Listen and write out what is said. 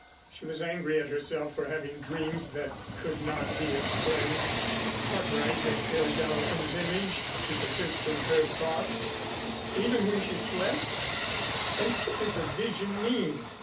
She was angry at herself for having dreams that could not be explained. What right had Phil Gallatin's image to persist in her thoughts, even when she slept? And what did the vision mean?